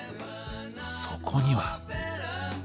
そこには。